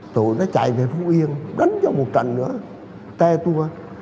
tụi nó chạy về phú yên đánh cho một trận nữa